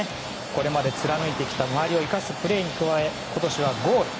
これまで貫いてきた周りを生かすプレーに加え今年はゴール。